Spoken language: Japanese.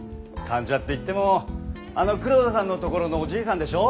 間者っていってもあの黒田さんのところのおじいさんでしょ？